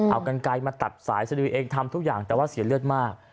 เอากันไกลมาตัดสายสดือเองทำทุกอย่างแต่ว่าเสียเลือดมาก